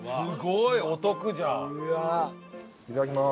いただきます。